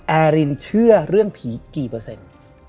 แอรินเชื่อเรื่องผีกี่เปอร์เซ็นต์